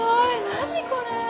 何これ？